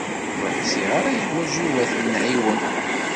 Ur ḥṣiɣ ara yuḥwaǧ Yuba ad t-nɛiwen.